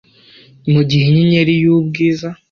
mugihe inyenyeri y'ubwiza